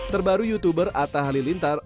terbaru youtuber atta halilintar